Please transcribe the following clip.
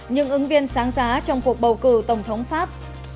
những ứng viên sáng giá trong cuộc bầu cử tổng thống pháp